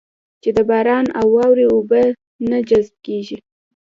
چې د باران او واورې اوبه نه جذب کېږي.